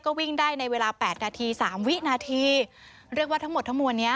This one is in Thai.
ก็วิ่งได้ในเวลาแปดนาทีสามวินาทีเรียกว่าทั้งหมดทั้งมวลเนี้ย